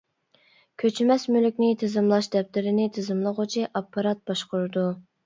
كۆچمەس مۈلۈكنى تىزىملاش دەپتىرىنى تىزىملىغۇچى ئاپپارات باشقۇرىدۇ.